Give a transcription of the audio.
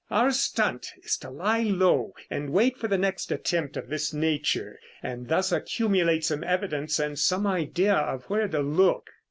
Our stunt is to lie low and wait for the next attempt of this nature and thus accumulate some evidence and some idea of where to look."